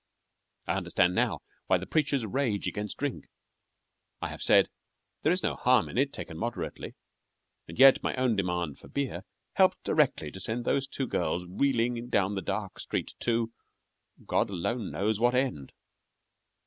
I understand now why the preachers rage against drink. I have said: "There is no harm in it, taken moderately;" and yet my own demand for beer helped directly to send those two girls reeling down the dark street to God alone knows what end.